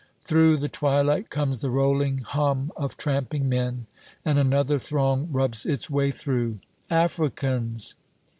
Through the twilight comes the rolling hum of tramping men, and another throng rubs its way through. "Africans!"